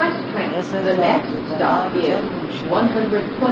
اے سجاد دے تے نام چند نوشیم۔